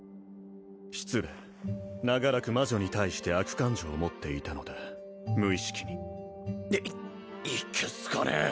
失礼長らく魔女に対して悪感情を持っていたので無意識にいけ好かねえ